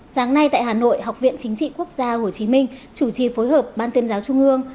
sáng nay tại hà nội học viện chính trị quốc gia hồ chí minh chủ trì phối hợp ban tuyên giáo trung ương